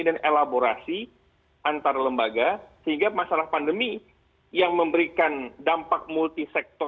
dan elaborasi antar lembaga sehingga masalah pandemi yang memberikan dampak multisektor